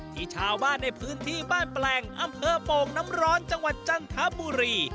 ที่ชาวบ้านในพื้นที่บ้านแปลงอำเภอโป่งน้ำร้อนจังหวัดจันทบุรี